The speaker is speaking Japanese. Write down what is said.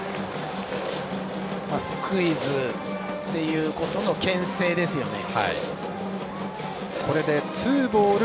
スクイズということのけん制ですよね。